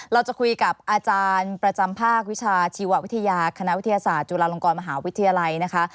เราจะคุยกับอาจารย์ประจำภาควิชาชีววิทยาคณะวิทยาศาสตร์จุฬาลงกรมหาวิทยาลัยนะคะ